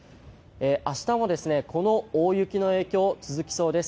明日もこの大雪の影響続きそうです。